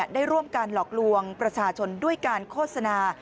ได้ร่วมการหลอกลวงประชาชนด้วยการโฆษณา